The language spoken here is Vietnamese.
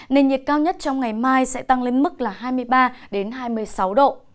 nền nhiệt cao nhất trong ngày mai sẽ tăng lên mức là hai mươi ba hai mươi sáu độ